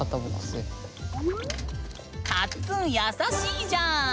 カッツン優しいじゃん！